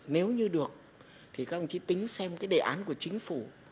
nếu như được thì các ông chí tính xem cái đề án của chính phủ